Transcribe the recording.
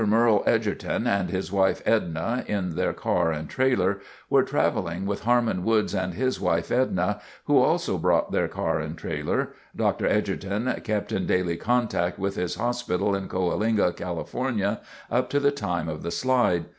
Merle Edgerton and his wife, Edna, in their car and trailer, were travelling with Harmon Woods and his wife, Edna, who also brought their car and trailer. Dr. Edgerton kept in daily contact with his hospital in Coalinga, California, up to the time of the slide.